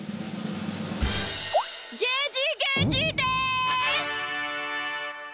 ゲジゲジです！